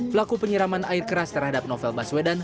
pelaku penyiraman air keras terhadap novel baswedan